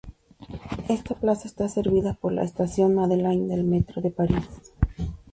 Esta plaza está servida por la estación Madeleine del Metro de París.